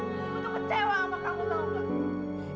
ibu tuh kecewa sama kamu tau gak